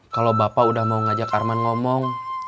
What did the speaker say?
kalau bapak udah mau ngajak arman ngomong